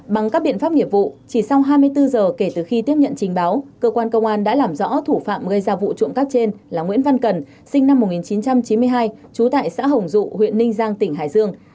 bằng các biện pháp nghiệp vụ chỉ sau hai mươi bốn giờ kể từ khi tiếp nhận trình báo cơ quan công an đã làm rõ thủ phạm gây ra vụ trộm cắp trên là nguyễn văn cần sinh năm một nghìn chín trăm chín mươi hai trú tại xã hồng dụ huyện ninh giang tỉnh hải dương